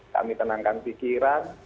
kami tenangkan pikiran